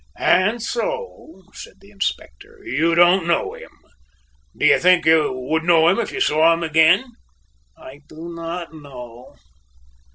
"And so," said the Inspector, "you don't know him? Do you think you would know him if you saw him again?" "I do not know."